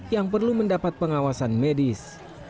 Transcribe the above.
yang perlu mendapat pengawasan medis